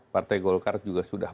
partai golkar juga sudah